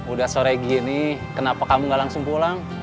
udah sore gini kenapa kamu gak langsung pulang